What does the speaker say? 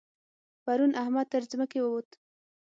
پرون احمد تر ځمکې ووت.